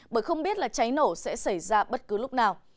bởi không biết là cháy nổ sẽ xảy ra bất cứ lúc nào